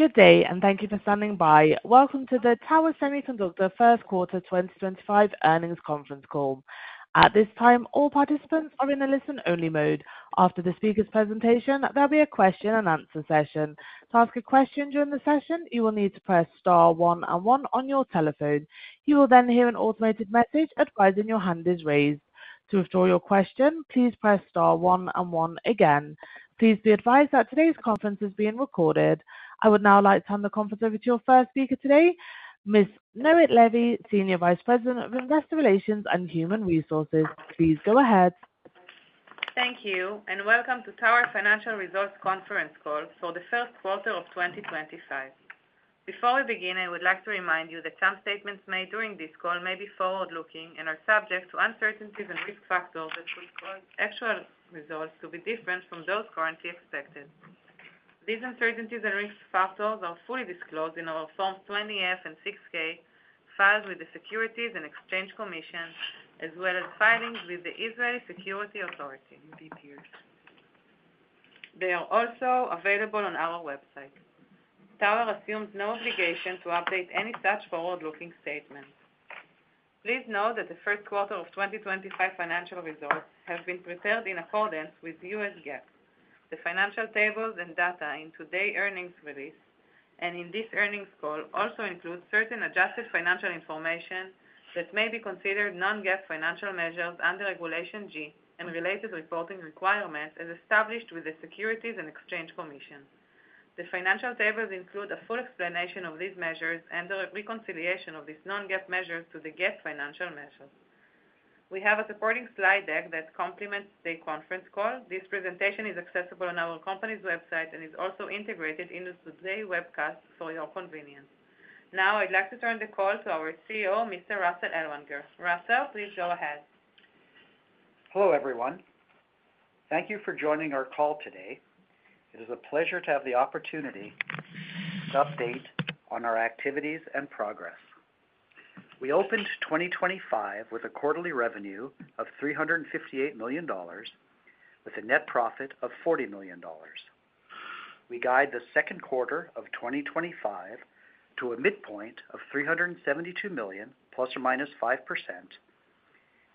Good day, and thank you for standing by. Welcome to the Tower Semiconductor First Quarter 2025 earnings conference call. At this time, all participants are in a listen-only mode. After the speaker's presentation, there will be a question-and-answer session. To ask a question during the session, you will need to press *11 on your telephone. You will then hear an automated message advising your hand is raised. To withdraw your question, please press *11 again. Please be advised that today's conference is being recorded. I would now like to hand the conference over to your first speaker today, Miss Noit Levi, Senior Vice President of Investor Relations and Human Resources. Please go ahead. Thank you, and welcome to Tower Financial Results Conference Call for the First Quarter of 2025. Before we begin, I would like to remind you that some statements made during this call may be forward-looking and are subject to uncertainties and risk factors that could cause actual results to be different from those currently expected. These uncertainties and risk factors are fully disclosed in our Forms 20F and 6K filed with the Securities and Exchange Commission, as well as filings with the Israeli Securities Authority. They are also available on our website. Tower assumes no obligation to update any such forward-looking statements. Please note that the First Quarter of 2025 financial results have been prepared in accordance with US GAAP. The financial tables and data in today's earnings release and in this earnings call also include certain adjusted financial information that may be considered non-GAAP financial measures under Regulation G and related reporting requirements as established with the Securities and Exchange Commission. The financial tables include a full explanation of these measures and the reconciliation of these non-GAAP measures to the GAAP financial measures. We have a supporting slide deck that complements the conference call. This presentation is accessible on our company's website and is also integrated into today's webcast for your convenience. Now, I'd like to turn the call to our CEO, Mr. Russell Ellwanger. Russell, please go ahead. Hello, everyone. Thank you for joining our call today. It is a pleasure to have the opportunity to update on our activities and progress. We opened 2025 with a quarterly revenue of $358 million, with a net profit of $40 million. We guide the second quarter of 2025 to a midpoint of $372 million, plus or minus 5%,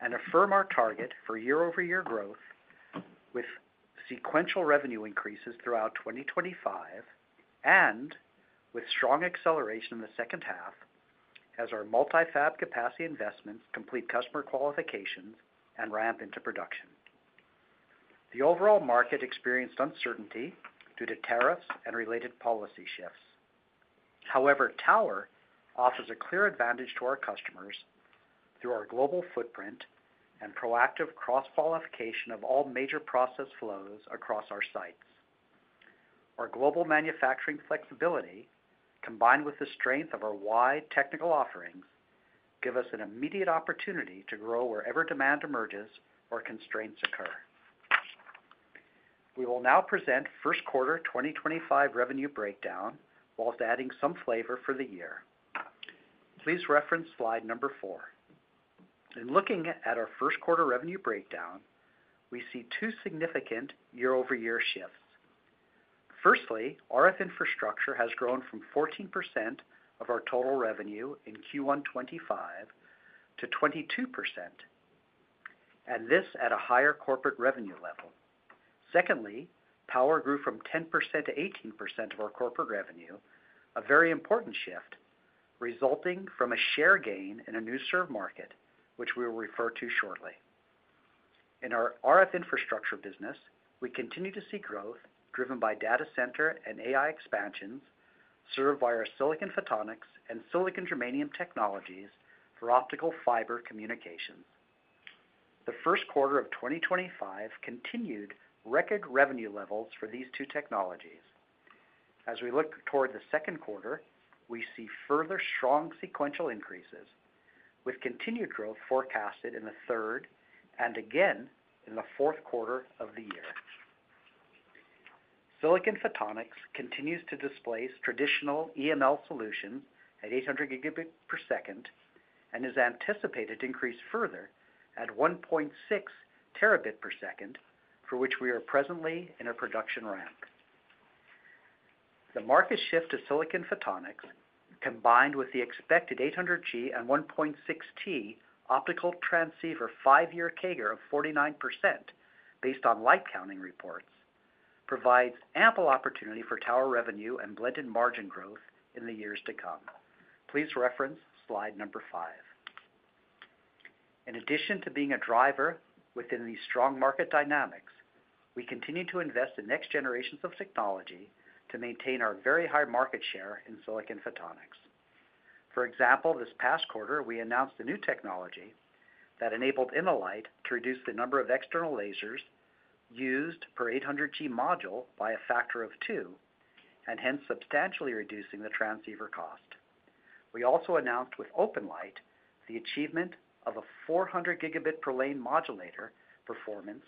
and affirm our target for year-over-year growth with sequential revenue increases throughout 2025 and with strong acceleration in the second half as our multi-fab capacity investments complete customer qualifications and ramp into production. The overall market experienced uncertainty due to tariffs and related policy shifts. However, Tower offers a clear advantage to our customers through our global footprint and proactive cross-qualification of all major process flows across our sites. Our global manufacturing flexibility, combined with the strength of our wide technical offerings, gives us an immediate opportunity to grow wherever demand emerges or constraints occur. We will now present First Quarter 2025 revenue breakdown while adding some flavor for the year. Please reference slide number four. In looking at our First Quarter revenue breakdown, we see two significant year-over-year shifts. Firstly, RF infrastructure has grown from 14% of our total revenue in Q1 2025 to 22%, and this at a higher corporate revenue level. Secondly, power grew from 10% to 18% of our corporate revenue, a very important shift resulting from a share gain in a new serve market, which we will refer to shortly. In our RF infrastructure business, we continue to see growth driven by data center and AI expansions served by our Silicon Photonics and Silicon Germanium technologies for optical fiber communications. The first quarter of 2025 continued record revenue levels for these two technologies. As we look toward the second quarter, we see further strong sequential increases, with continued growth forecasted in the third and again in the fourth quarter of the year. Silicon Photonics continues to displace traditional EML solutions at 800 gigabit per second and is anticipated to increase further at 1.6 terabit per second, for which we are presently in a production ramp. The market shift to Silicon Photonics, combined with the expected 800G and 1.6T optical transceiver five-year CAGR of 49% based on light counting reports, provides ample opportunity for Tower revenue and blended margin growth in the years to come. Please reference slide number five. In addition to being a driver within these strong market dynamics, we continue to invest in next generations of technology to maintain our very high market share in Silicon Photonics. For example, this past quarter, we announced a new technology that enabled InnoLight to reduce the number of external lasers used per 800G module by a factor of two, and hence substantially reducing the transceiver cost. We also announced with OpenLight the achievement of a 400 gigabit per lane modulator performance,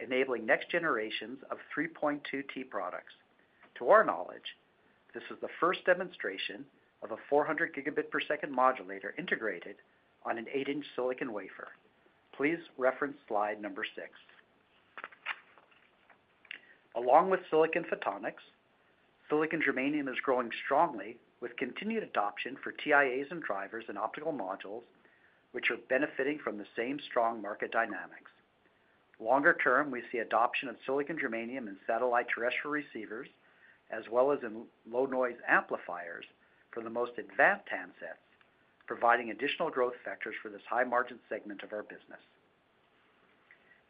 enabling next generations of 3.2T products. To our knowledge, this is the first demonstration of a 400 gigabit per second modulator integrated on an eight-inch silicon wafer. Please reference slide number six. Along with Silicon Photonics, Silicon Germanium is growing strongly with continued adoption for TIAs and drivers and optical modules, which are benefiting from the same strong market dynamics. Longer term, we see adoption of Silicon Germanium in satellite terrestrial receivers as well as in low-noise amplifiers for the most advanced handsets, providing additional growth factors for this high-margin segment of our business.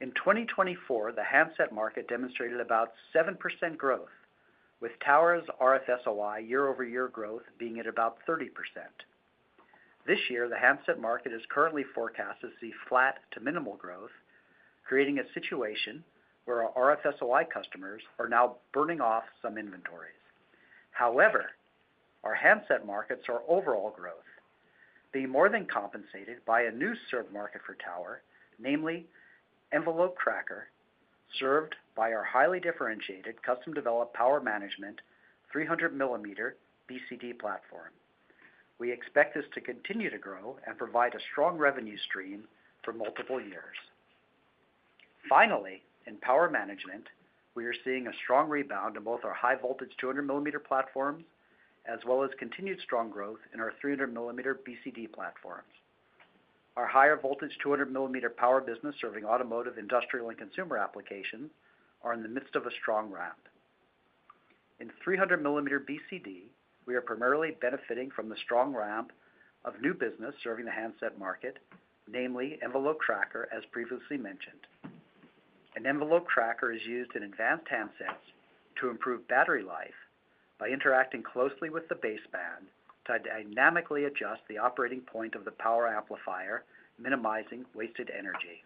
In 2024, the handset market demonstrated about 7% growth, with Tower's RFSOI year-over-year growth being at about 30%. This year, the handset market is currently forecast to see flat to minimal growth, creating a situation where our RFSOI customers are now burning off some inventories. However, our handset market saw overall growth being more than compensated by a new serve market for Tower, namely Envelope Tracker, served by our highly differentiated custom-developed power management 300 millimeter BCD platform. We expect this to continue to grow and provide a strong revenue stream for multiple years. Finally, in power management, we are seeing a strong rebound in both our high-voltage 200 millimeter platforms as well as continued strong growth in our 300 millimeter BCD platforms. Our higher-voltage 200 millimeter power business serving automotive, industrial, and consumer applications are in the midst of a strong ramp. In 300 millimeter BCD, we are primarily benefiting from the strong ramp of new business serving the handset market, namely Envelope Tracker, as previously mentioned. An Envelope Tracker is used in advanced handsets to improve battery life by interacting closely with the baseband to dynamically adjust the operating point of the power amplifier, minimizing wasted energy.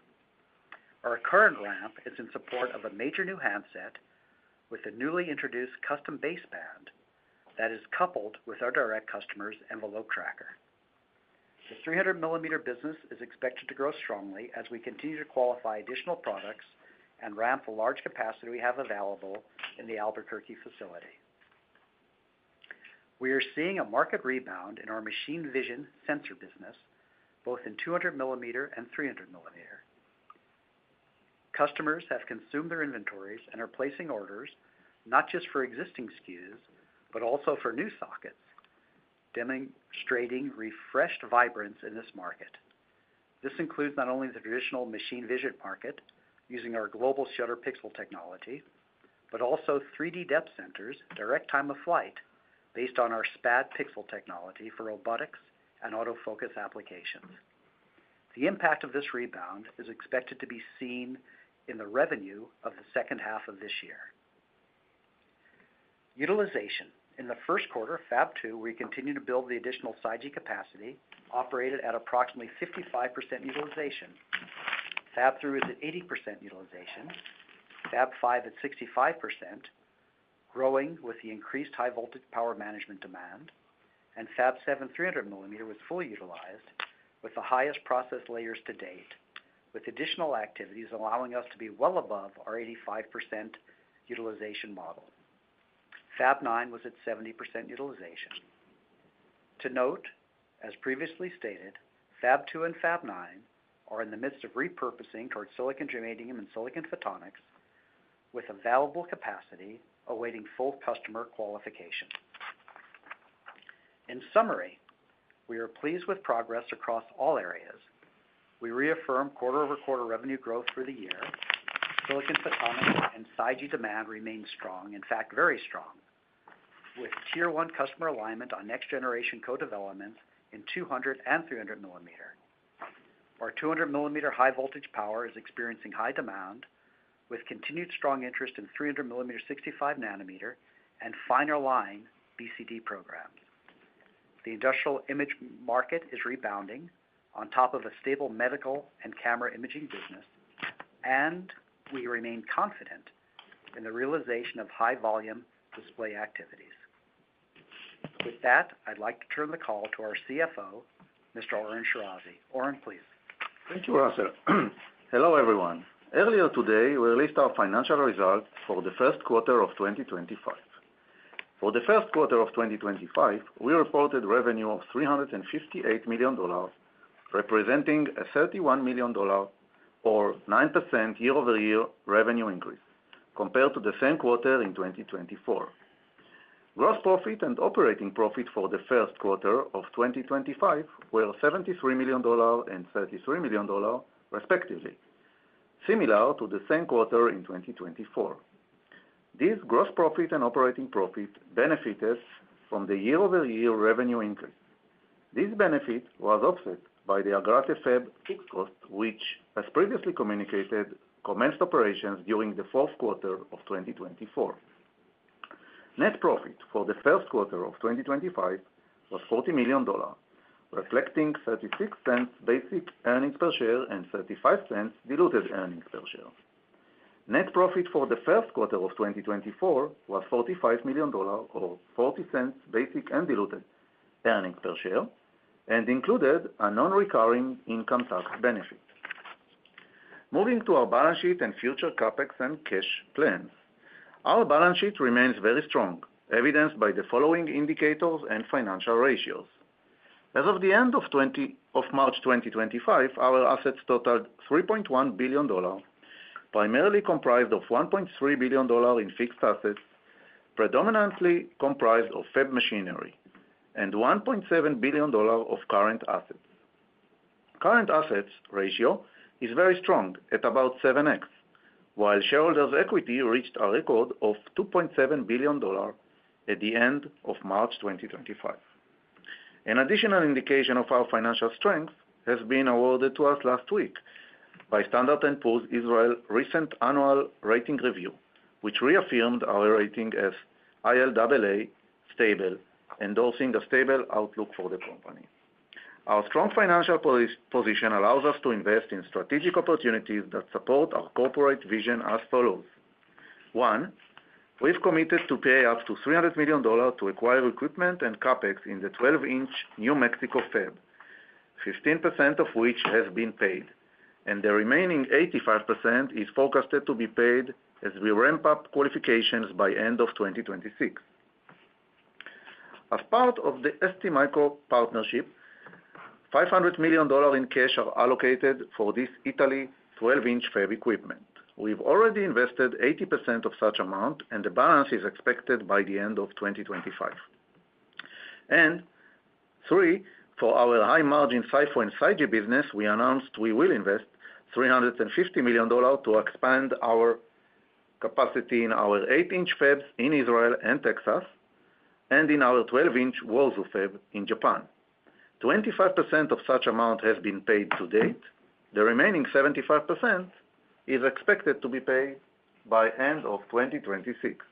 Our current ramp is in support of a major new handset with a newly introduced custom baseband that is coupled with our direct customer's Envelope Tracker. The 300 millimeter business is expected to grow strongly as we continue to qualify additional products and ramp the large capacity we have available in the Albuquerque facility. We are seeing a market rebound in our machine vision sensor business, both in 200 millimeter and 300 millimeter. Customers have consumed their inventories and are placing orders not just for existing SKUs, but also for new sockets, demonstrating refreshed vibrance in this market. This includes not only the traditional machine vision market using our Global Shutter Pixel technology, but also 3D depth centers direct time of flight based on our SPAD Pixel technology for robotics and autofocus applications. The impact of this rebound is expected to be seen in the revenue of the second half of this year. Utilization in the first quarter of Fab Two, we continue to build the additional 5G capacity, operated at approximately 55% utilization. Fab Three is at 80% utilization. Fab Five at 65%, growing with the increased high-voltage power management demand, and Fab Seven, 300 millimeter, was fully utilized with the highest process layers to date, with additional activities allowing us to be well above our 85% utilization model. Fab Nine was at 70% utilization. To note, as previously stated, Fab Two and Fab Nine are in the midst of repurposing toward Silicon Germanium and Silicon Photonics with available capacity awaiting full customer qualification. In summary, we are pleased with progress across all areas. We reaffirm quarter-over-quarter revenue growth for the year. Silicon Photonics and 5G demand remain strong, in fact, very strong, with tier one customer alignment on next generation co-developments in 200 and 300 millimeter. Our 200 millimeter high-voltage power is experiencing high demand with continued strong interest in 300 millimeter 65 nanometer and finer line BCD programs. The industrial image market is rebounding on top of a stable medical and camera imaging business, and we remain confident in the realization of high-volume display activities. With that, I'd like to turn the call to our CFO, Mr. Oren Shirazi. Oren, please. Thank you, Russell. Hello, everyone. Earlier today, we released our financial results for the first quarter of 2025. For the first quarter of 2025, we reported revenue of $358 million, representing a $31 million, or 9% year-over-year revenue increase, compared to the same quarter in 2024. Gross profit and operating profit for the first quarter of 2025 were $73 million and $33 million, respectively, similar to the same quarter in 2024. This gross profit and operating profit benefited from the year-over-year revenue increase. This benefit was offset by the Agrate Fab fixed cost, which, as previously communicated, commenced operations during the fourth quarter of 2024. Net profit for the first quarter of 2025 was $40 million, reflecting $0.36 basic earnings per share and $0.35 diluted earnings per share. Net profit for the first quarter of 2024 was $45 million, or $0.40 basic and diluted earnings per share, and included a non-recurring income tax benefit. Moving to our balance sheet and future CapEx and cash plans, our balance sheet remains very strong, evidenced by the following indicators and financial ratios. As of the end of March 2025, our assets totaled $3.1 billion, primarily comprised of $1.3 billion in fixed assets, predominantly comprised of Fab machinery, and $1.7 billion of current assets. Current assets ratio is very strong at about 7x, while shareholders' equity reached a record of $2.7 billion at the end of March 2025. An additional indication of our financial strength has been awarded to us last week by Standard & Poor's Israel recent annual rating review, which reaffirmed our rating as ILAA stable, endorsing a stable outlook for the company. Our strong financial position allows us to invest in strategic opportunities that support our corporate vision as follows. One, we've committed to pay up to $300 million to acquire equipment and CapEx in the 12-inch New Mexico Fab, 15% of which has been paid, and the remaining 85% is forecasted to be paid as we ramp up qualifications by the end of 2026. As part of the STMicroelectronics partnership, $500 million in cash are allocated for this Italy 12-inch Fab equipment. We've already invested 80% of such amount, and the balance is expected by the end of 2025. Three, for our high-margin SiPho and 5G business, we announced we will invest $350 million to expand our capacity in our 8-inch Fabs in Israel and Texas and in our 12-inch Wozu Fab in Japan. 25% of such amount has been paid to date. The remaining 75% is expected to be paid by the end of 2026.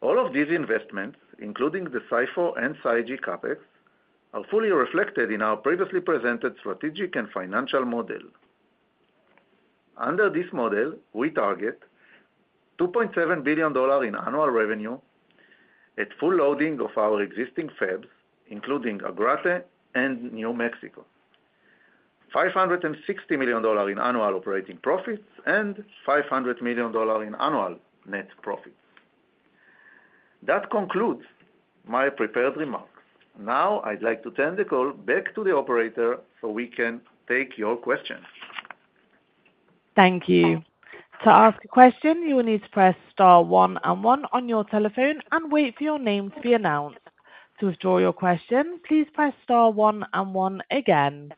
All of these investments, including the SiPho and 5G CapEx, are fully reflected in our previously presented strategic and financial model. Under this model, we target $2.7 billion in annual revenue at full loading of our existing Fabs, including Agrate and New Mexico, $560 million in annual operating profits, and $500 million in annual net profits. That concludes my prepared remarks. Now, I'd like to turn the call back to the operator so we can take your questions. Thank you. To ask a question, you will need to press *11 on your telephone and wait for your name to be announced. To withdraw your question, please press *11 again.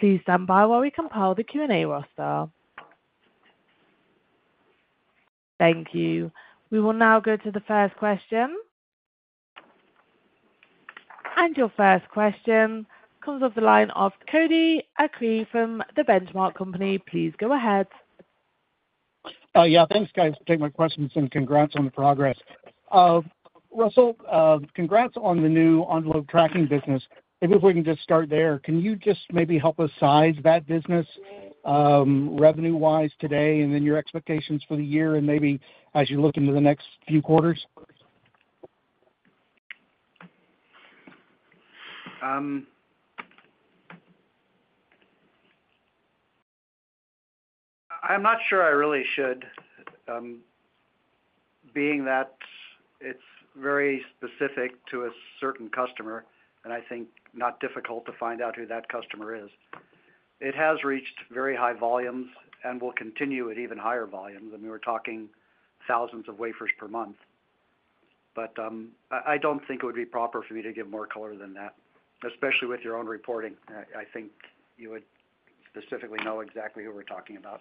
Please stand by while we compile the Q&A roster. Thank you. We will now go to the first question. Your first question comes off the line of Cody Acree from Benchmark Company. Please go ahead. Yeah, thanks, guys. Take my questions and congrats on the progress. Russell, congrats on the new Envelope Tracker business. Maybe if we can just start there, can you just maybe help us size that business revenue-wise today and then your expectations for the year and maybe as you look into the next few quarters? I'm not sure I really should, being that it's very specific to a certain customer, and I think not difficult to find out who that customer is. It has reached very high volumes and will continue at even higher volumes. I mean, we're talking thousands of wafers per month. I don't think it would be proper for me to give more color than that, especially with your own reporting. I think you would specifically know exactly who we're talking about.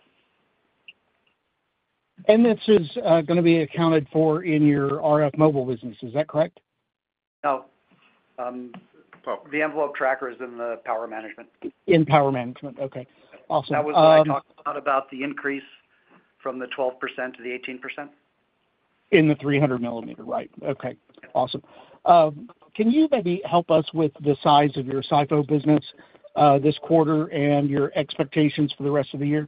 Is this going to be accounted for in your RF mobile business? Is that correct? No. The Envelope Tracker is in the power management. In power management. Okay. Awesome. That was what I talked about, about the increase from the 12% to the 18%. In the 300 millimeter. Right. Okay. Awesome. Can you maybe help us with the size of your SiPho business this quarter and your expectations for the rest of the year?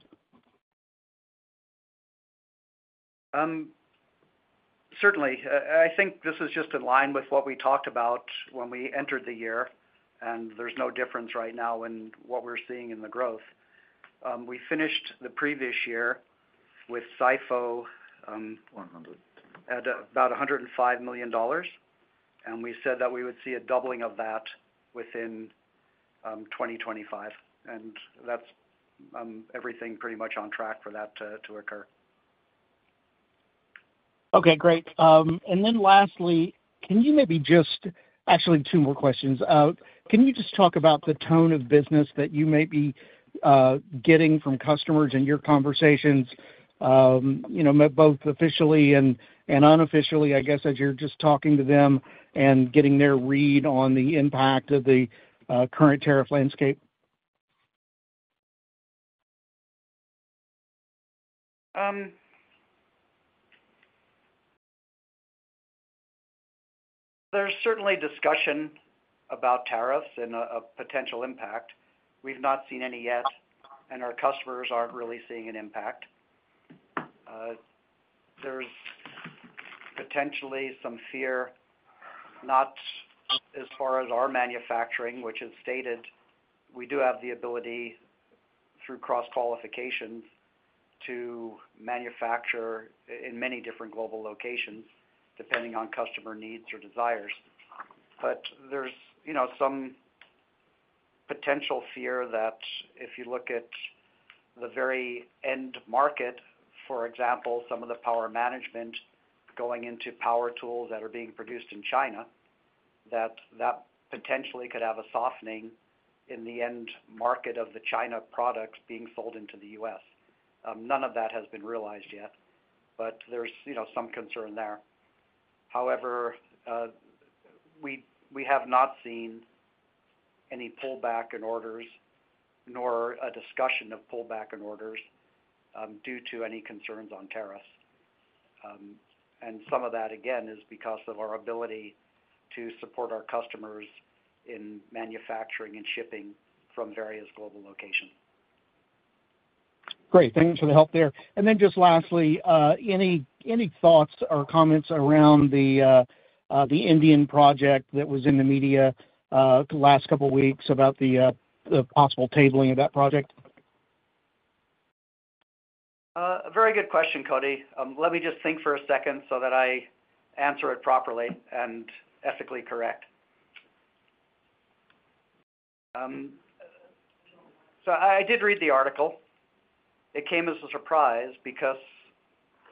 Certainly. I think this is just in line with what we talked about when we entered the year, and there's no difference right now in what we're seeing in the growth. We finished the previous year with SiPho at about $105 million, and we said that we would see a doubling of that within 2025. That's everything pretty much on track for that to occur. Okay. Great. Lastly, can you maybe just actually two more questions. Can you just talk about the tone of business that you may be getting from customers in your conversations, both officially and unofficially, I guess, as you're just talking to them and getting their read on the impact of the current tariff landscape? There's certainly discussion about tariffs and a potential impact. We've not seen any yet, and our customers aren't really seeing an impact. There's potentially some fear, not as far as our manufacturing, which is stated. We do have the ability, through cross-qualifications, to manufacture in many different global locations, depending on customer needs or desires. There's some potential fear that if you look at the very end market, for example, some of the power management going into power tools that are being produced in China, that that potentially could have a softening in the end market of the China products being sold into the U.S. None of that has been realized yet, but there's some concern there. However, we have not seen any pullback in orders, nor a discussion of pullback in orders due to any concerns on tariffs. Some of that, again, is because of our ability to support our customers in manufacturing and shipping from various global locations. Great. Thanks for the help there. Lastly, any thoughts or comments around the Indian project that was in the media the last couple of weeks about the possible tabling of that project? Very good question, Cody. Let me just think for a second so that I answer it properly and ethically correct. I did read the article. It came as a surprise because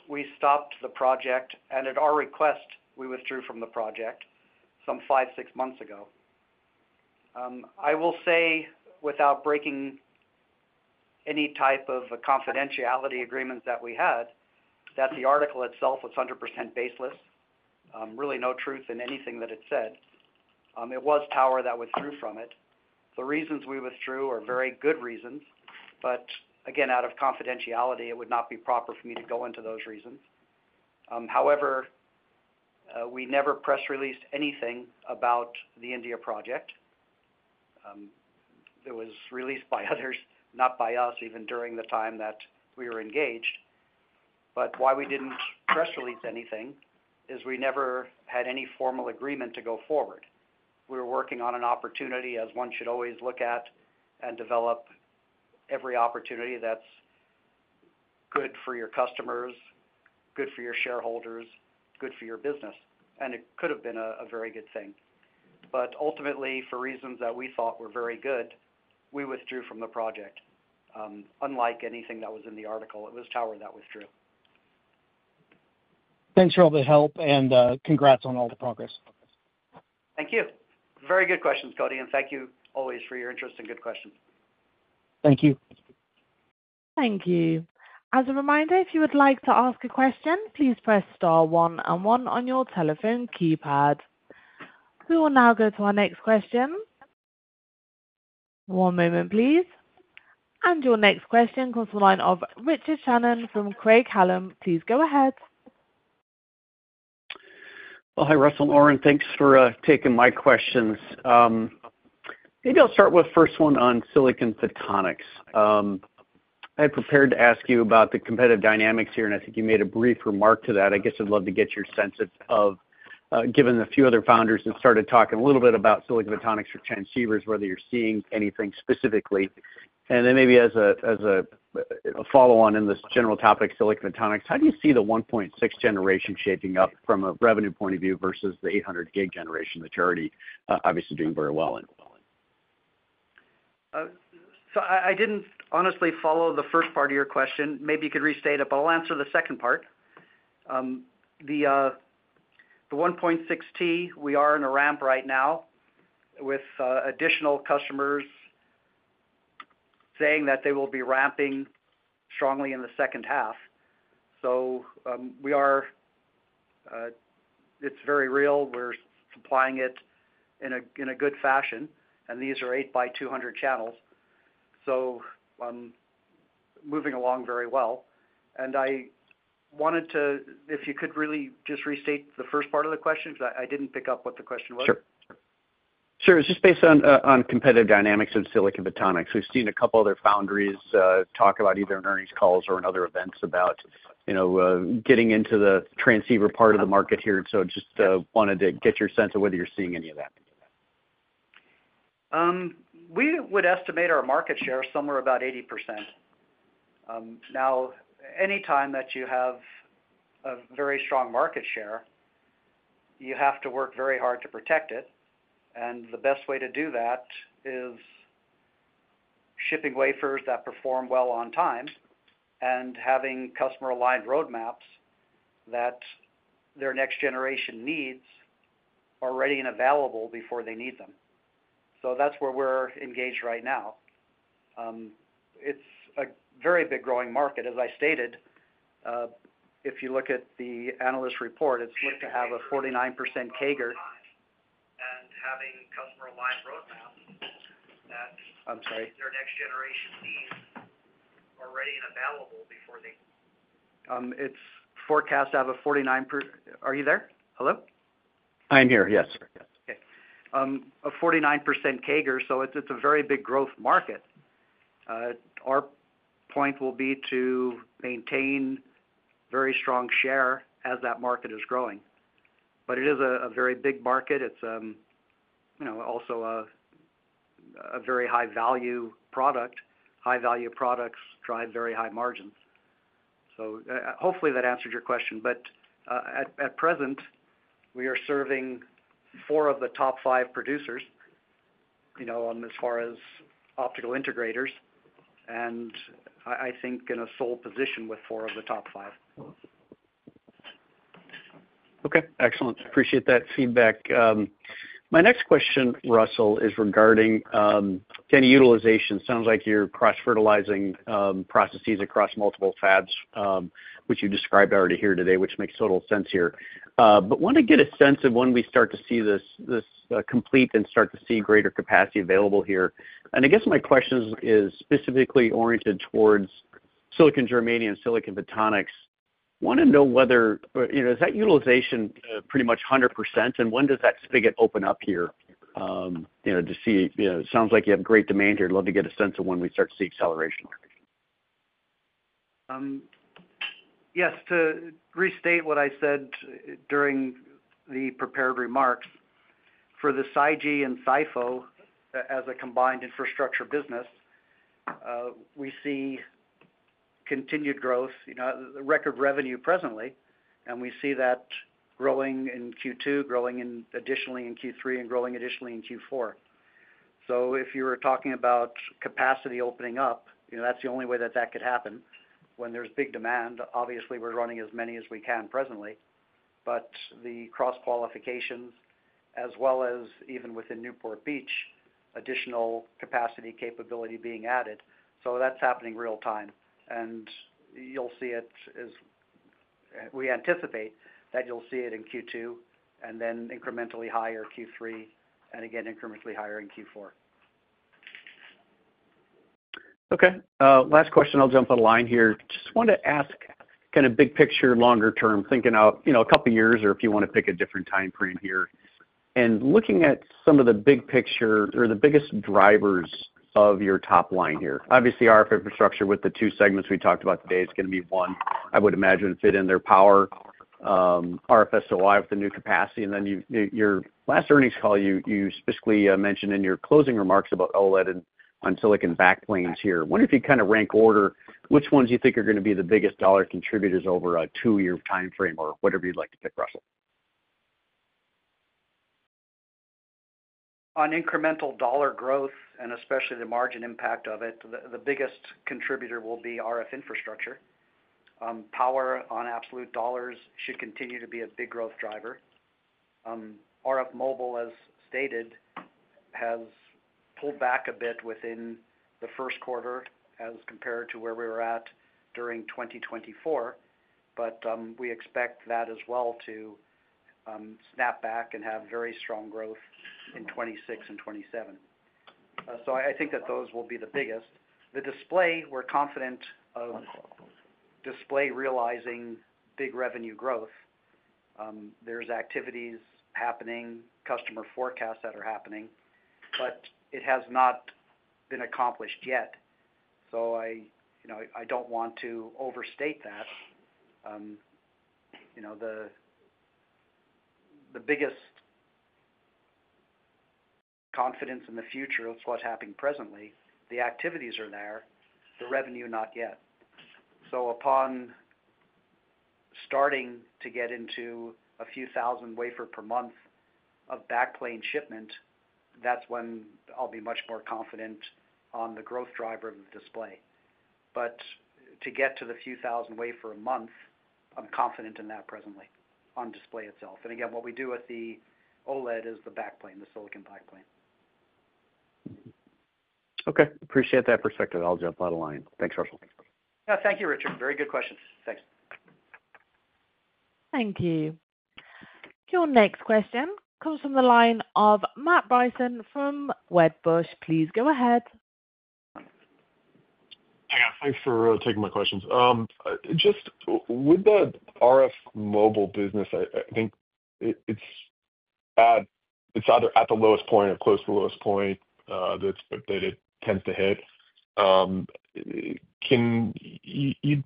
we stopped the project, and at our request, we withdrew from the project some five, six months ago. I will say, without breaking any type of confidentiality agreements that we had, that the article itself was 100% baseless, really no truth in anything that it said. It was Tower that withdrew from it. The reasons we withdrew are very good reasons, but again, out of confidentiality, it would not be proper for me to go into those reasons. However, we never press released anything about the India project. It was released by others, not by us, even during the time that we were engaged. Why we did not press release anything is we never had any formal agreement to go forward. We were working on an opportunity, as one should always look at and develop every opportunity that is good for your customers, good for your shareholders, good for your business. It could have been a very good thing. Ultimately, for reasons that we thought were very good, we withdrew from the project, unlike anything that was in the article. It was Tower that withdrew. Thanks for all the help, and congrats on all the progress. Thank you. Very good questions, Cody, and thank you always for your interest and good questions. Thank you. Thank you. As a reminder, if you would like to ask a question, please press *11 on your telephone keypad. We will now go to our next question. One moment, please. Your next question comes from the line of Richard Shannon from Craig-Hallum. Please go ahead. Hi, Russell. Oren, thanks for taking my questions. Maybe I'll start with the first one on Silicon Photonics. I had prepared to ask you about the competitive dynamics here, and I think you made a brief remark to that. I guess I'd love to get your sense of, given a few other founders that started talking a little bit about Silicon Photonics for transceivers, whether you're seeing anything specifically. Maybe as a follow-on in this general topic, Silicon Photonics, how do you see the 1.6 generation shaping up from a revenue point of view versus the 800 gig generation that you're already obviously doing very well in? I did not honestly follow the first part of your question. Maybe you could restate it, but I will answer the second part. The 1.6T, we are in a ramp right now with additional customers saying that they will be ramping strongly in the second half. It is very real. We are supplying it in a good fashion, and these are 8x200 channels. Moving along very well. I wanted to, if you could really just restate the first part of the question because I did not pick up what the question was. Sure. Sure. It's just based on competitive dynamics of Silicon Photonics. We've seen a couple of other foundries talk about either in earnings calls or in other events about getting into the transceiver part of the market here. Just wanted to get your sense of whether you're seeing any of that. We would estimate our market share somewhere about 80%. Now, anytime that you have a very strong market share, you have to work very hard to protect it. The best way to do that is shipping wafers that perform well on time and having customer-aligned roadmaps that their next generation needs are ready and available before they need them. That is where we're engaged right now. It's a very big growing market. As I stated, if you look at the analyst report, it's looked to have a 49% CAGR and having customer-aligned roadmaps that. I'm sorry. Their next generation needs are ready and available before they. It's forecast to have a 49%. Are you there? Hello? I am here. Yes. Okay. A 49% CAGR. It is a very big growth market. Our point will be to maintain very strong share as that market is growing. It is a very big market. It is also a very high-value product. High-value products drive very high margins. Hopefully that answered your question. At present, we are serving four of the top five producers as far as optical integrators. I think in a sole position with four of the top five. Okay. Excellent. Appreciate that feedback. My next question, Russell, is regarding any utilization. Sounds like you're cross-fertilizing processes across multiple fabs, which you described already here today, which makes total sense here. I want to get a sense of when we start to see this complete and start to see greater capacity available here. I guess my question is specifically oriented towards Silicon Germanium and Silicon Photonics. I want to know whether is that utilization pretty much 100%, and when does that spigot open up here to see? It sounds like you have great demand here. I'd love to get a sense of when we start to see acceleration. Yes. To restate what I said during the prepared remarks, for the SiGe and SiPho as a combined infrastructure business, we see continued growth, record revenue presently, and we see that growing in Q2, growing additionally in Q3, and growing additionally in Q4. If you were talking about capacity opening up, that's the only way that that could happen. When there's big demand, obviously, we're running as many as we can presently. The cross-qualifications, as well as even within Newport Beach, additional capacity capability being added. That's happening real time. You'll see it as we anticipate that you'll see it in Q2 and then incrementally higher Q3 and again incrementally higher in Q4. Okay. Last question. I'll jump on the line here. Just want to ask kind of big picture longer term, thinking out a couple of years or if you want to pick a different time frame here. Looking at some of the big picture or the biggest drivers of your top line here, obviously RF infrastructure with the two segments we talked about today is going to be one, I would imagine, fit in there power, RFSOI with the new capacity. Then your last earnings call, you specifically mentioned in your closing remarks about OLED and on Silicon backplanes here. I wonder if you kind of rank order which ones you think are going to be the biggest dollar contributors over a two-year time frame or whatever you'd like to pick, Russell. On incremental dollar growth and especially the margin impact of it, the biggest contributor will be RF infrastructure. Power on absolute dollars should continue to be a big growth driver. RF Mobile, as stated, has pulled back a bit within the first quarter as compared to where we were at during 2024, but we expect that as well to snap back and have very strong growth in 2026 and 2027. I think that those will be the biggest. The display, we're confident of display realizing big revenue growth. There are activities happening, customer forecasts that are happening, but it has not been accomplished yet. I do not want to overstate that. The biggest confidence in the future is what is happening presently. The activities are there. The revenue, not yet. Upon starting to get into a few thousand wafer per month of backplane shipment, that's when I'll be much more confident on the growth driver of the display. To get to the few thousand wafer a month, I'm confident in that presently on display itself. Again, what we do with the OLED is the backplane, the silicon backplane. Okay. Appreciate that perspective. I'll jump out of line. Thanks, Russell. Yeah. Thank you, Richard. Very good questions. Thanks. Thank you. Your next question comes from the line of Matt Bryson from Wedbush. Please go ahead. Hi. Thanks for taking my questions. Just with the RF Mobile business, I think it's either at the lowest point or close to the lowest point that it tends to hit. Can you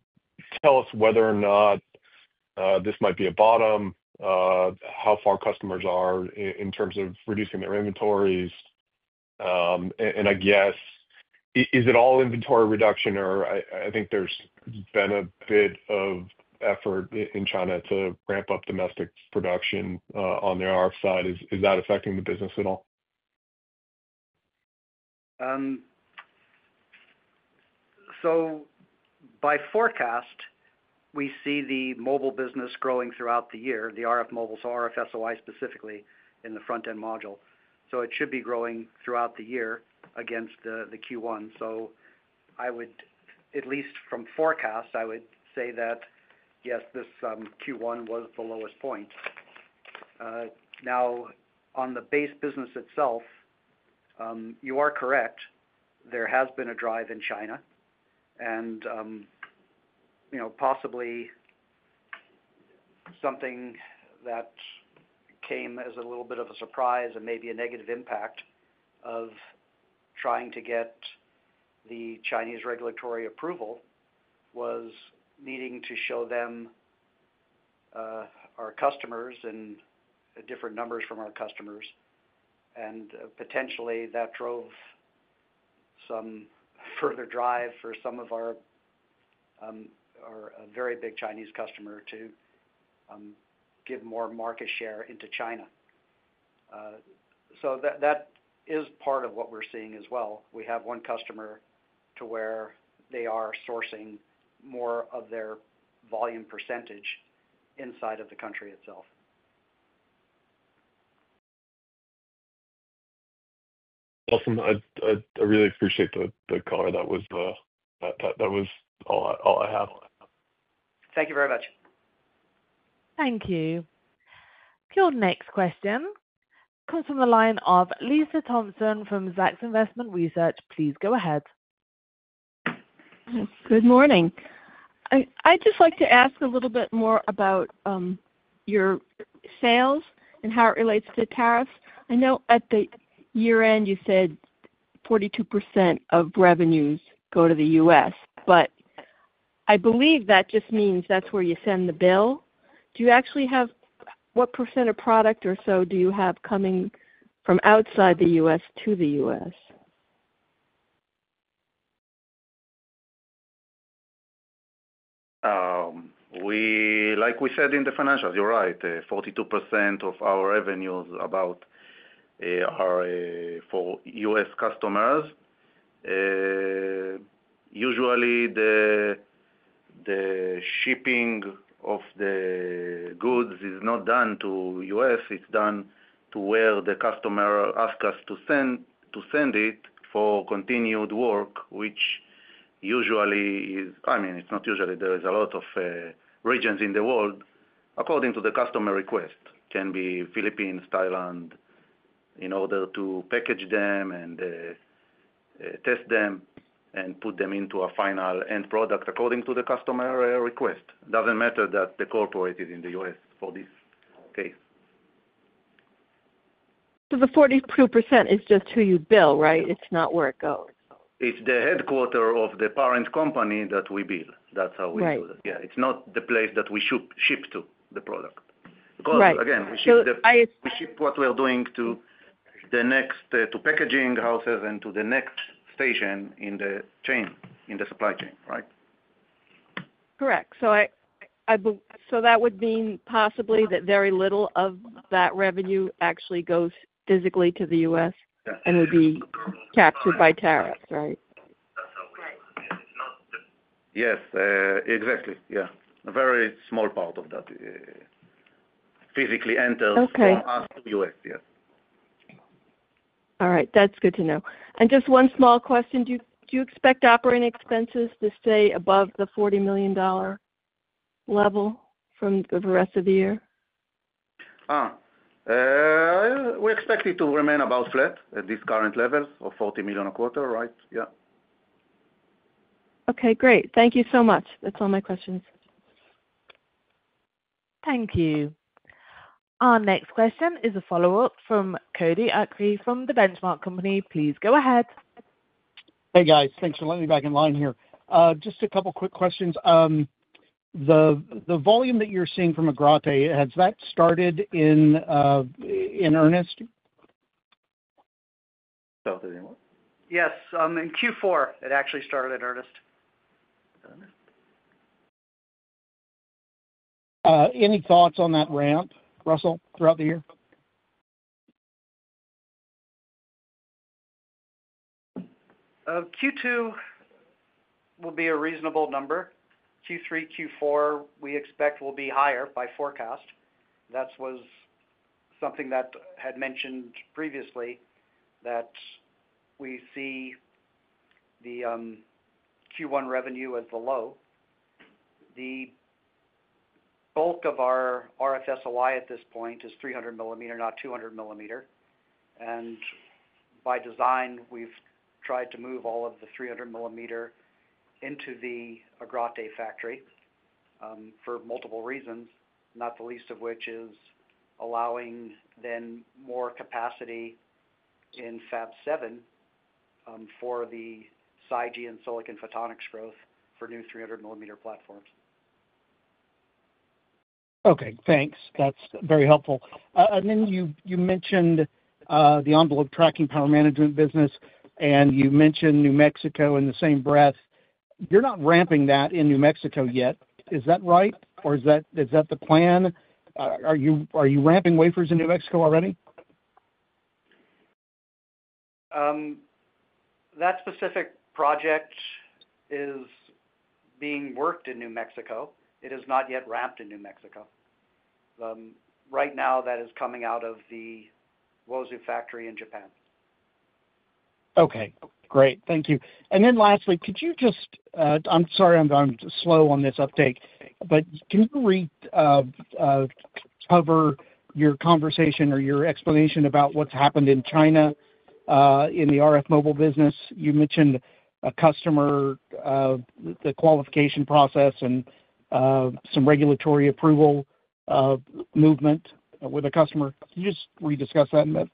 tell us whether or not this might be a bottom, how far customers are in terms of reducing their inventories? I guess, is it all inventory reduction? I think there's been a bit of effort in China to ramp up domestic production on their RF side. Is that affecting the business at all? By forecast, we see the mobile business growing throughout the year, the RF Mobile, so RFSOI specifically in the front-end module. It should be growing throughout the year against the Q1. At least from forecast, I would say that, yes, this Q1 was the lowest point. Now, on the base business itself, you are correct. There has been a drive in China and possibly something that came as a little bit of a surprise and maybe a negative impact of trying to get the Chinese regulatory approval was needing to show them our customers and different numbers from our customers. Potentially that drove some further drive for some of our very big Chinese customers to give more market share into China. That is part of what we're seeing as well. We have one customer to where they are sourcing more of their volume percentage inside of the country itself. Awesome. I really appreciate the call. That was all I have. Thank you very much. Thank you. Your next question comes from the line of Lisa Thompson from Zacks Investment Research. Please go ahead. Good morning. I'd just like to ask a little bit more about your sales and how it relates to tariffs. I know at the year-end you said 42% of revenues go to the U.S., but I believe that just means that's where you send the bill. Do you actually have what % of product or so do you have coming from outside the U.S. to the U.S.? Like we said in the financials, you're right. 42% of our revenues about are for U.S. customers. Usually, the shipping of the goods is not done to U.S. It's done to where the customer asks us to send it for continued work, which usually is—I mean, it's not usually. There is a lot of regions in the world, according to the customer request. It can be Philippines, Thailand, in order to package them and test them and put them into a final end product according to the customer request. It doesn't matter that the corporate is in the U.S. for this case. The 42% is just who you bill, right? It's not where it goes. It's the headquarter of the parent company that we bill. That's how we do that. Yeah. It's not the place that we ship to the product. Because again, we ship what we're doing to the next packaging houses and to the next station in the chain, in the supply chain, right? Correct. So that would mean possibly that very little of that revenue actually goes physically to the U.S. and would be captured by tariffs, right? That's how we do it. It's not the. Yes. Exactly. Yeah. A very small part of that physically enters from us to U.S. Yes. All right. That's good to know. Just one small question. Do you expect operating expenses to stay above the $40 million level for the rest of the year? We expect it to remain about flat at these current levels of $40 million a quarter, right? Yeah. Okay. Great. Thank you so much. That's all my questions. Thank you. Our next question is a follow-up from Cody Acree from Benchmark Company. Please go ahead. Hey, guys. Thanks for letting me back in line here. Just a couple of quick questions. The volume that you're seeing from Agrate, has that started in earnest? Yes. In Q4, it actually started in earnest. Any thoughts on that ramp, Russell, throughout the year? Q2 will be a reasonable number. Q3, Q4, we expect will be higher by forecast. That was something that had mentioned previously that we see the Q1 revenue as the low. The bulk of our RFSOI at this point is 300 millimeter, not 200 millimeter. By design, we have tried to move all of the 300 millimeter into the Agrate factory for multiple reasons, not the least of which is allowing then more capacity in Fab 7 for the SiGe and Silicon Photonics growth for new 300 millimeter platforms. Okay. Thanks. That's very helpful. You mentioned the Envelope Tracker power management business, and you mentioned New Mexico in the same breath. You're not ramping that in New Mexico yet. Is that right? Or is that the plan? Are you ramping wafers in New Mexico already? That specific project is being worked in New Mexico. It is not yet ramped in New Mexico. Right now, that is coming out of the Wozu factory in Japan. Okay. Great. Thank you. Lastly, could you just—I'm sorry, I'm slow on this update. Can you recover your conversation or your explanation about what's happened in China in the RF Mobile business? You mentioned a customer, the qualification process, and some regulatory approval movement with a customer. Can you just rediscuss that a bit?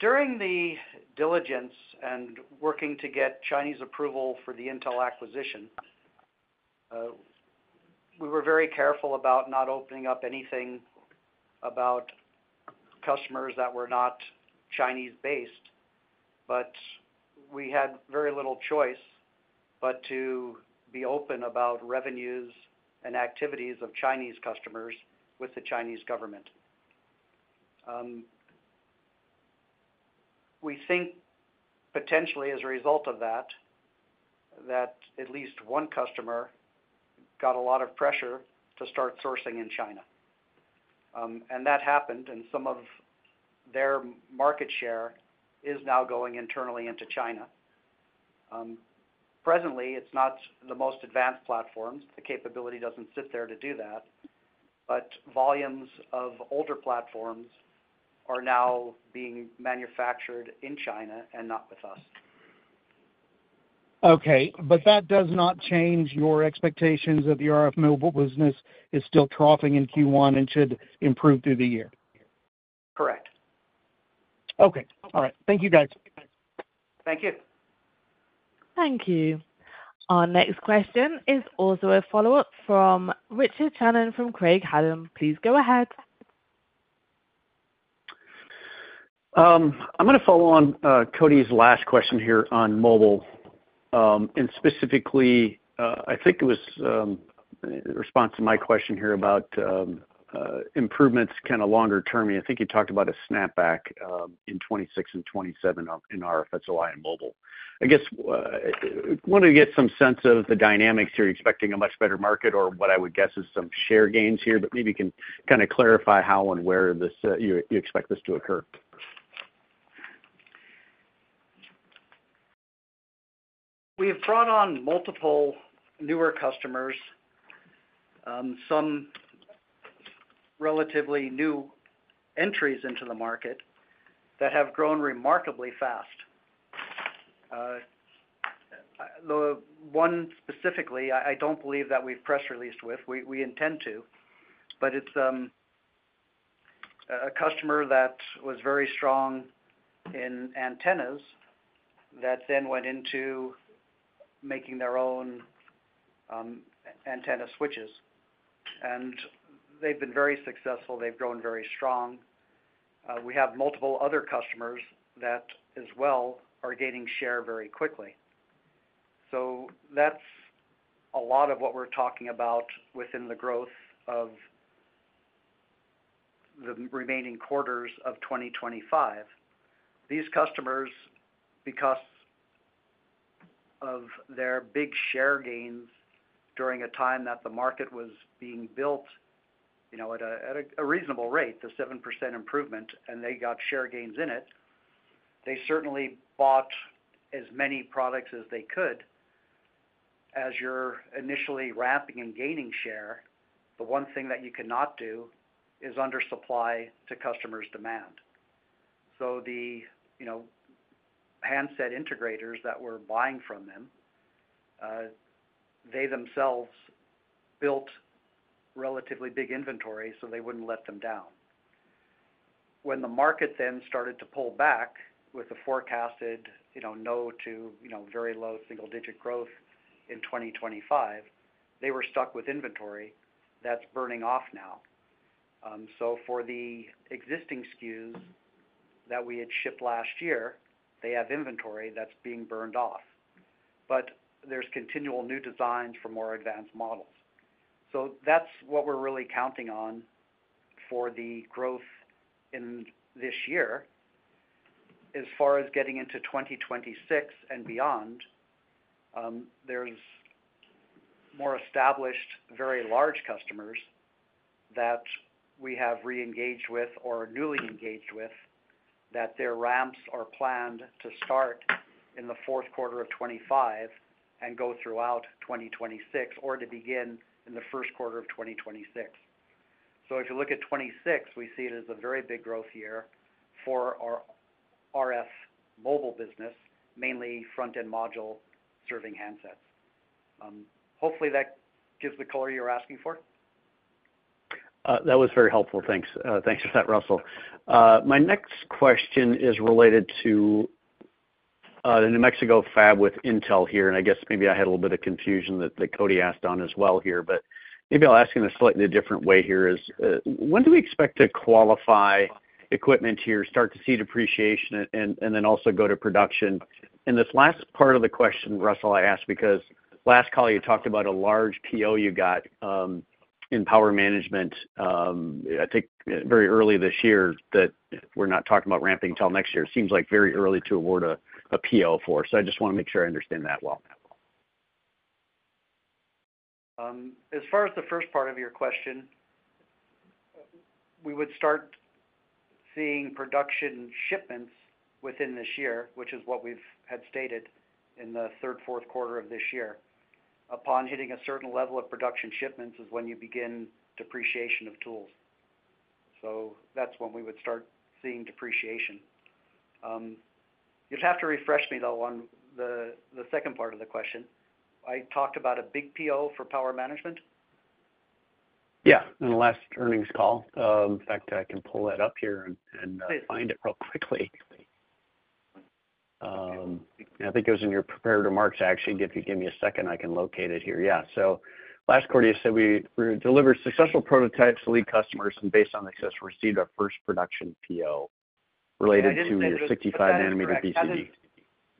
During the diligence and working to get Chinese approval for the Intel acquisition, we were very careful about not opening up anything about customers that were not Chinese-based. We had very little choice but to be open about revenues and activities of Chinese customers with the Chinese government. We think potentially as a result of that, at least one customer got a lot of pressure to start sourcing in China. That happened, and some of their market share is now going internally into China. Presently, it is not the most advanced platforms. The capability does not sit there to do that. Volumes of older platforms are now being manufactured in China and not with us. Okay.That does not change your expectations that the RF Mobile business is still troughing in Q1 and should improve through the year? Correct. Okay. All right. Thank you, guys. Thank you. Thank you. Our next question is also a follow-up from Richard Shannon from Craig-Hallum. Please go ahead. I'm going to follow on Cody's last question here on mobile. And specifically, I think it was a response to my question here about improvements kind of longer-term. I think you talked about a snapback in 2026 and 2027 in RFSOI and Mobile. I guess I want to get some sense of the dynamics here. You're expecting a much better market or what I would guess is some share gains here. But maybe you can kind of clarify how and where you expect this to occur. We have brought on multiple newer customers, some relatively new entries into the market that have grown remarkably fast. One specifically, I do not believe that we have press released with. We intend to. It is a customer that was very strong in antennas that then went into making their own antenna switches. They have been very successful. They have grown very strong. We have multiple other customers that as well are gaining share very quickly. That is a lot of what we are talking about within the growth of the remaining quarters of 2025. These customers, because of their big share gains during a time that the market was being built at a reasonable rate, the 7% improvement, and they got share gains in it, they certainly bought as many products as they could. As you are initially ramping and gaining share, the one thing that you cannot do is undersupply to customers' demand. The handset integrators that were buying from them, they themselves built relatively big inventories so they would not let them down. When the market then started to pull back with the forecasted no to very low single-digit growth in 2025, they were stuck with inventory that is burning off now. For the existing SKUs that we had shipped last year, they have inventory that is being burned off. There are continual new designs for more advanced models. That is what we are really counting on for the growth in this year. As far as getting into 2026 and beyond, there are more established, very large customers that we have re-engaged with or newly engaged with that their ramps are planned to start in the fourth quarter of 2025 and go throughout 2026 or to begin in the first quarter of 2026. If you look at 2026, we see it as a very big growth year for our RF Mobile business, mainly front-end module serving handsets. Hopefully, that gives the color you're asking for. That was very helpful. Thanks. Thanks for that, Russell. My next question is related to the New Mexico Fab with Intel here. I guess maybe I had a little bit of confusion that Cody asked on as well here. Maybe I'll ask in a slightly different way here. When do we expect to qualify equipment here, start to see depreciation, and then also go to production? This last part of the question, Russell, I ask because last call you talked about a large PO you got in power management, I think very early this year, that we're not talking about ramping until next year. It seems like very early to award a PO for. I just want to make sure I understand that well. As far as the first part of your question, we would start seeing production shipments within this year, which is what we've had stated in the third, fourth quarter of this year. Upon hitting a certain level of production shipments is when you begin depreciation of tools. That is when we would start seeing depreciation. You'd have to refresh me, though, on the second part of the question. I talked about a big PO for power management. Yeah. In the last earnings call. In fact, I can pull that up here and find it real quickly. I think it was in your prepared remarks. Actually, if you give me a second, I can locate it here. Yeah. Last quarter, you said we delivered successful prototypes to lead customers. And based on success, we received our first production PO related to 65-nanometer BCD.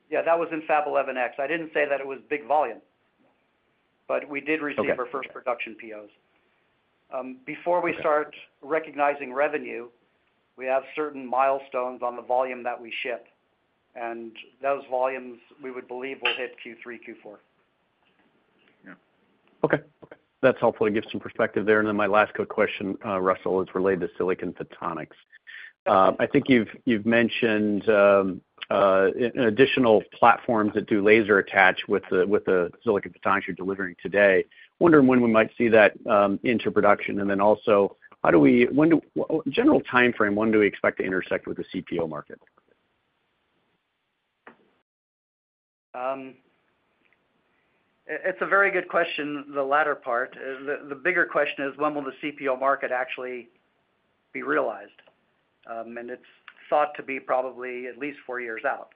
Yeah. That was in Fab 11X. I did not say that it was big volume. But we did receive our first production POs. Before we start recognizing revenue, we have certain milestones on the volume that we ship. And those volumes, we would believe, will hit Q3, Q4. Okay. That's helpful to give some perspective there. My last quick question, Russell, is related to Silicon Photonics. I think you've mentioned additional platforms that do laser attach with the Silicon Photonics you're delivering today. Wondering when we might see that into production. Also, how do we—when do—in general timeframe, when do we expect to intersect with the CPO market? It's a very good question, the latter part. The bigger question is, when will the CPO market actually be realized? It's thought to be probably at least four years out.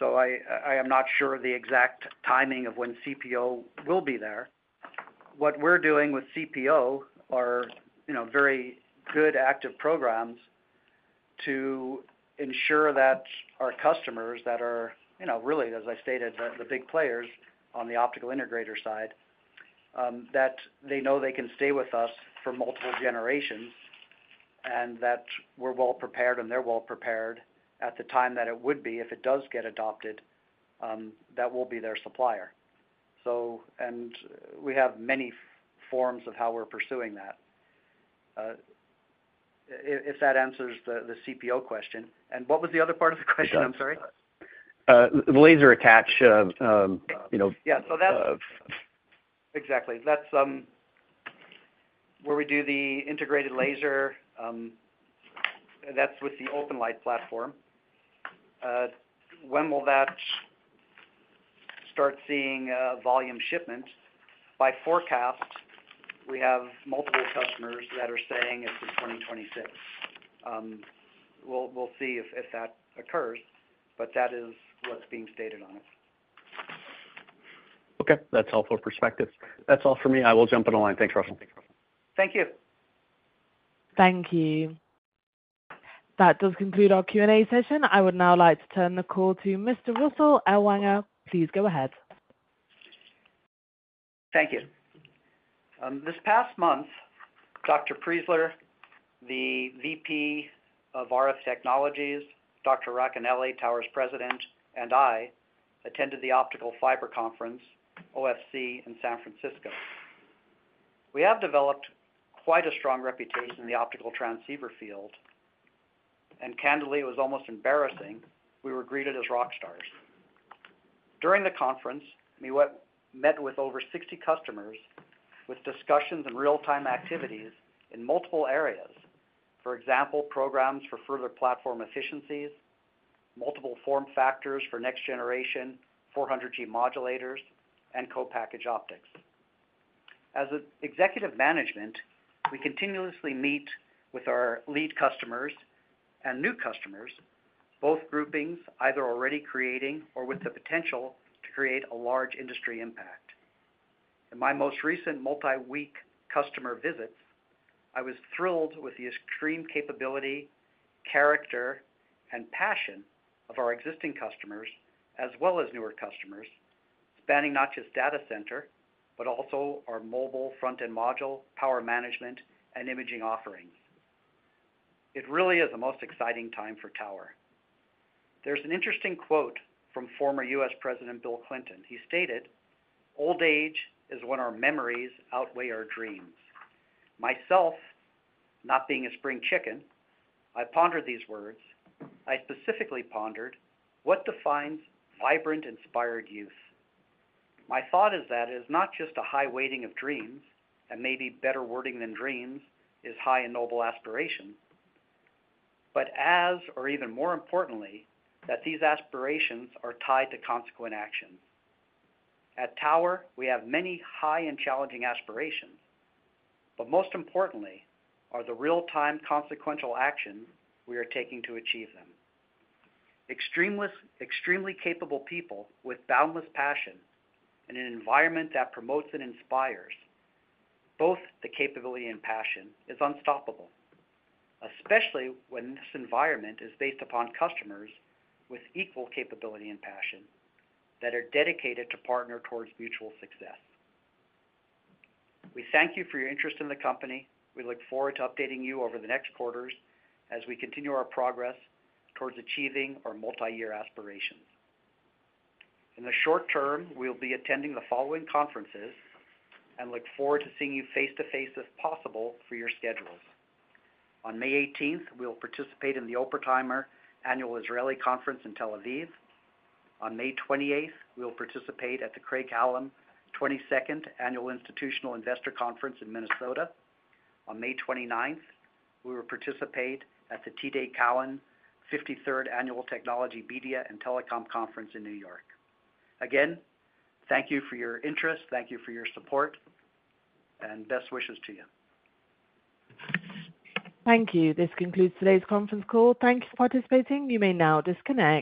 I am not sure of the exact timing of when CPO will be there. What we're doing with CPO are very good active programs to ensure that our customers that are really, as I stated, the big players on the optical integrator side, that they know they can stay with us for multiple generations and that we're well prepared and they're well prepared at the time that it would be if it does get adopted, that we'll be their supplier. We have many forms of how we're pursuing that, if that answers the CPO question. What was the other part of the question? I'm sorry. The laser attach. Yeah. So that's exactly. That's where we do the integrated laser. That's with the OpenLight platform. When will that start seeing volume shipments? By forecast, we have multiple customers that are saying it's in 2026. We'll see if that occurs. That is what's being stated on it. Okay. That's helpful perspective. That's all for me. I will jump on the line. Thanks, Russell. Thank you. Thank you. That does conclude our Q&A session. I would now like to turn the call to Mr. Russell Ellwanger. Please go ahead. Thank you. This past month, Dr. Priesler, the VP of RF Technologies, Dr. Racanelli, Tower's President, and I attended the Optical Fiber Conference, OFC, in San Francisco. We have developed quite a strong reputation in the optical transceiver field. Candidly, it was almost embarrassing. We were greeted as rock stars. During the conference, we met with over 60 customers with discussions and real-time activities in multiple areas. For example, programs for further platform efficiencies, multiple form factors for next-generation 400G modulators, and co-package optics. As executive management, we continuously meet with our lead customers and new customers, both groupings either already creating or with the potential to create a large industry impact. In my most recent multi-week customer visits, I was thrilled with the extreme capability, character, and passion of our existing customers as well as newer customers spanning not just data center, but also our mobile front-end module, power management, and imaging offerings. It really is the most exciting time for Tower. There is an interesting quote from former U.S. President Bill Clinton. He stated, "Old age is when our memories outweigh our dreams." Myself, not being a spring chicken, I pondered these words. I specifically pondered, "What defines vibrant, inspired youth?" My thought is that it is not just a high weighting of dreams and maybe better wording than dreams is high and noble aspirations, but as, or even more importantly, that these aspirations are tied to consequent actions. At Tower, we have many high and challenging aspirations. Most importantly, are the real-time consequential actions we are taking to achieve them. Extremely capable people with boundless passion in an environment that promotes and inspires both the capability and passion is unstoppable, especially when this environment is based upon customers with equal capability and passion that are dedicated to partner towards mutual success. We thank you for your interest in the company. We look forward to updating you over the next quarters as we continue our progress towards achieving our multi-year aspirations. In the short term, we will be attending the following conferences and look forward to seeing you face to face if possible for your schedules. On May 18th, we will participate in the Oppenheimer Annual Israeli Conference in Tel Aviv. On May 28th, we will participate at the Craig-Hallum 22nd Annual Institutional Investor Conference in Minnesota. On May 29th, we will participate at the T.J. Cowen 53rd Annual Technology Media and Telecom Conference in New York. Again, thank you for your interest. Thank you for your support. Best wishes to you. Thank you. This concludes today's conference call. Thank you for participating. You may now disconnect.